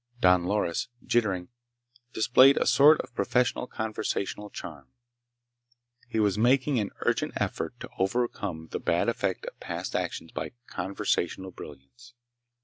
Don Loris, jittering, displayed a sort of professional conversational charm. He was making an urgent effort to overcome the bad effect of past actions by conversational brilliance.